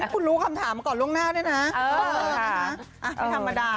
คุณรู้คำถามมาก่อนล่วงหน้าด้วยนะ